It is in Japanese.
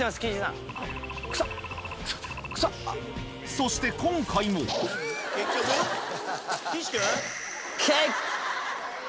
そして今回もＯＫ！